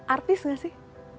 artis gak sih